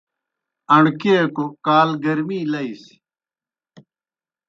اݨکیکوْ کال گرمی لئی سیْ۔